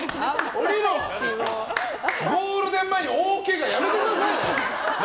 ゴールデン前に大けがやめてくださいよ！